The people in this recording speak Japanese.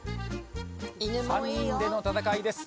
３人での戦いです